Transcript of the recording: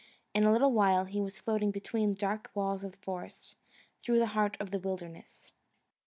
In a little while he was floating between dark walls of forest, through the heart of the wilderness.